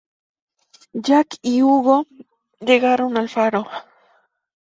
Jack y Hugo llegan al Faro.